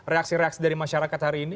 reaksi reaksi dari masyarakat hari ini